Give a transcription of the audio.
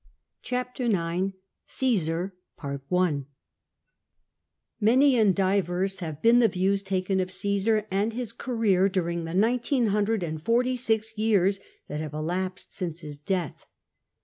CHAPTER IX CJESAE Many and diverse have been the views taken of Caesar and his career during the nineteen hundred and forty six years that have elapsed since his death.